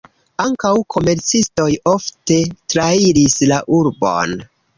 Ankaŭ komercistoj ofte trairis la urbon.